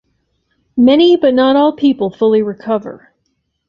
Many but not all people fully recover.